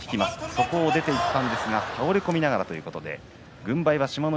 そこを出ていったんですが倒れ込みながらということで軍配は志摩ノ